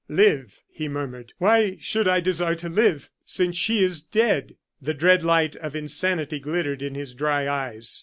"Live!" he murmured, "why should I desire to live since she is dead?" The dread light of insanity glittered in his dry eyes.